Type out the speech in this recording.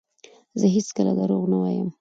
زه هیڅکله درواغ نه وایم.